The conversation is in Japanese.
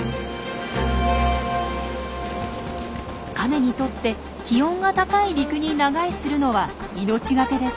カメにとって気温が高い陸に長居するのは命懸けです。